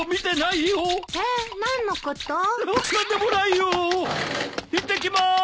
いってきます！